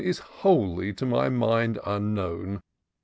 Is wholly to my mind unknown.